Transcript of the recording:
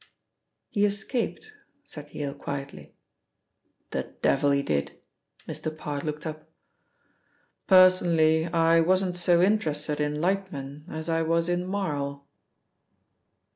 "He escaped," said Yale quietly. "The devil he did." Mr. Parr looked up. "Personally, I wasn't so interested in Lightman as I was in Marl."